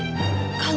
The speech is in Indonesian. kalau gak jadi itu